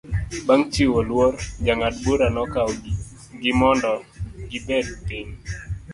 Bang' chiwo luor, jang'ad bura nokwayo gi mondo gibed piny.